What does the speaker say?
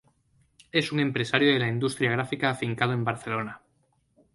Es empresario de la industria gráfica afincado en Barcelona.